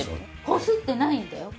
こすってないんだよ。